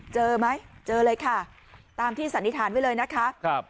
เจอไหมเจอเลยค่ะตามที่สันนิษฐานไว้เลยนะคะครับ